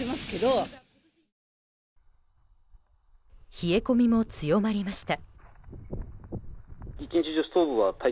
冷え込みも強まりました。